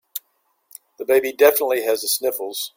The baby definitely has the sniffles.